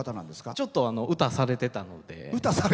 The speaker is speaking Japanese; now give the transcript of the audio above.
ちょっと歌をされてたので。